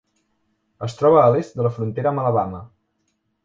Es troba a l'est de la frontera amb Alabama.